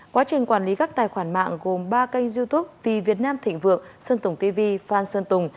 quá trình quản lý các tài khoản mạng gồm ba kênh youtube vvn thịnh vượng sơn tùng tv phan sơn tùng